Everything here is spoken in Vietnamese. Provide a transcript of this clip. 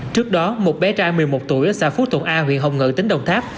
trước đó một bé trai một mươi một tuổi ở xã phú thuận a huyện hồng ngự tỉnh đồng tháp